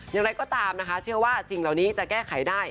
อย่างไรก็ตามนะคะเชื่อว่าสิ่งเหล่านี้จะแก้ไขได้